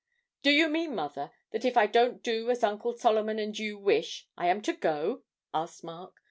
'Do you mean, mother, that if I don't do as Uncle Solomon and you wish, I am to go?' asked Mark.